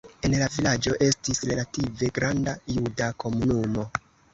En la vilaĝo estis relative granda juda komunumo.